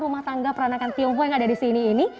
rumah tangga peranakan tiongkok yang ada di sini